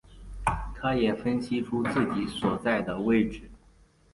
他们也分析出自己所在的位置。